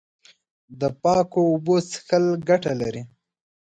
د پاکو اوبو څښل ګټه لري.